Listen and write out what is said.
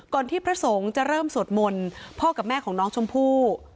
ที่พระสงฆ์จะเริ่มสวดมนต์พ่อกับแม่ของน้องชมพู่